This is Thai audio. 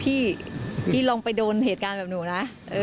พี่พี่ลองไปโดนเหตุการณ์แบบหนูนะ